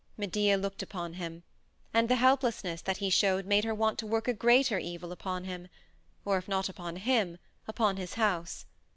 Medea looked upon him, and the helplessness that he showed made her want to work a greater evil upon him, or, if not upon him, upon his house.